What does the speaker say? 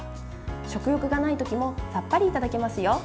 食欲がない時もさっぱりいただけますよ。